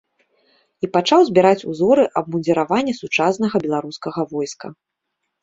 І пачаў збіраць узоры абмундзіравання сучаснага беларускага войска.